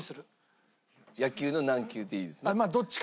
野球の軟球でいいですね？